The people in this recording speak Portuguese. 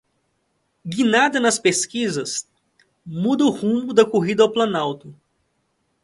Guinada nas pesquisas muda o rumo da corrida ao Planalto